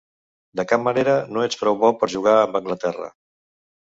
De cap manera. No ets prou bo per jugar amb Anglaterra.